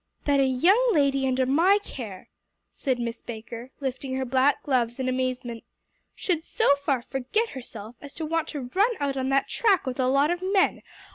"That a young lady under my care," said Miss Baker, lifting her black gloves in amazement, "should so far forget herself as to want to run out on that track with a lot of men!